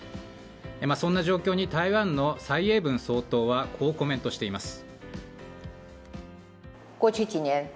そんな状況に台湾の蔡英文総統はこうコメントしています。